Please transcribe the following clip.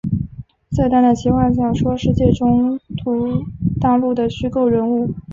瑟丹的奇幻小说世界中土大陆的虚构人物。